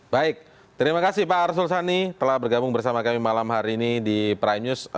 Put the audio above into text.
baik terima kasih pak arsul sani telah bergabung bersama kami malam hari ini di prime news